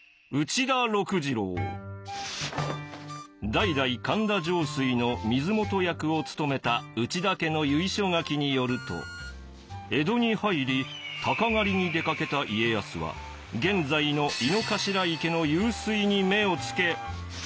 代々神田上水の水元役を務めた内田家の由緒書きによると江戸に入り鷹狩りに出かけた家康は現在の井の頭池の湧水に目をつけ。